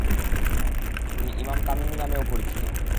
তিনি ইমাম তামিমি নামেও পরিচিত ।